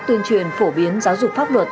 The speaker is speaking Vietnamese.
tuyên truyền phổ biến giáo dục pháp luật